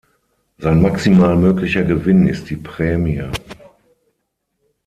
Sein maximal möglicher Gewinn ist die Prämie.